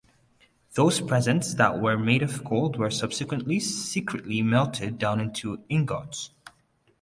Those presents that were made of gold were subsequently secretly melted down into ingots.